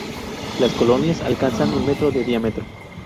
Las colonias alcanzan un metro de diámetro.